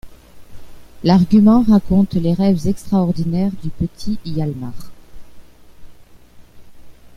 L'argument raconte les rêves extraordinaires du petit Hialmar.